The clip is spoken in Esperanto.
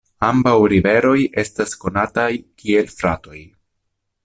Ambaŭ riveroj estas konataj kiel fratoj.